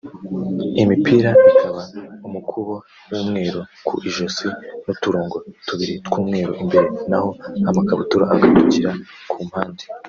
imipira ikaba umukubo w’umweru ku ijosi n’uturongo tubiri tw’umweru imbere naho amakabutura akatugira ku mpande